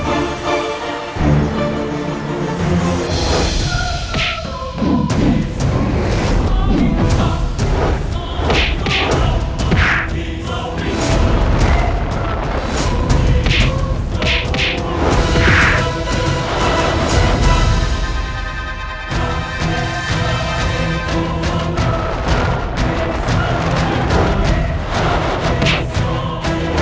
apa yang terjadi denganmu junti